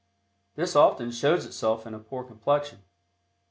This often shows itself in a poor complexion.